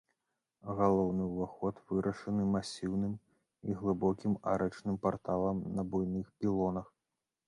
Галоўны ўваход вырашаны масіўным і глыбокім арачным парталам на буйных пілонах.